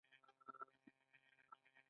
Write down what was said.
د خدمت موده له لس کلونو څخه زیاته وي.